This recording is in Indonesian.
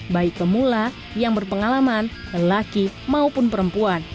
baik pemula yang berpengalaman lelaki maupun perempuan